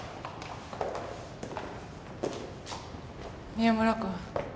宮村君。